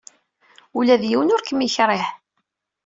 Ula d yiwen ur kem-yekṛih.